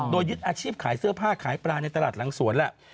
โดยยึดอาชีพขายเสื้อผ้าขายปลาในตลาดหลังสวนแหละ